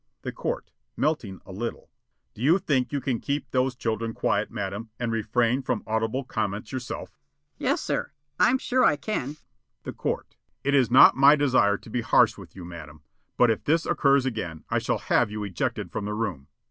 The Court, melting a little: "Do you think you can keep those children quiet, madam, and refrain from audible comments yourself?" The Woman: "Yes, sir. I'm sure I can." The Court: "It is not my desire to be harsh with you, madam, but if this occurs again I shall have you ejected from the room.